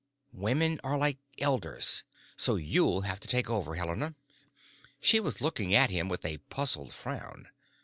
Women are like elders. So you'll have to take over, Helena." She was looking at him with a puzzled frown.